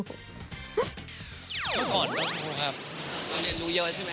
เมื่อก่อนก็รู้ครับ